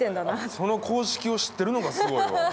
その公式を知ってるのがすごいわ。